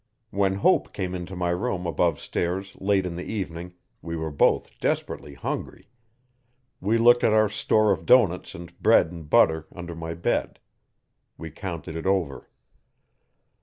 When Hope came into my room above stairs late in the evening we were both desperately hungry. We looked at our store of doughnuts and bread and butter under my bed. We counted it over.